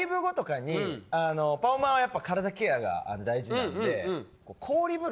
パフォーマーはやっぱ体ケアが大事なんで。